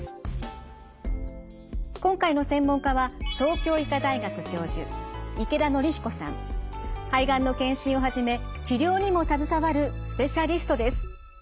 今回の専門家は東京医科大学教授肺がんの検診をはじめ治療にも携わるスペシャリストです。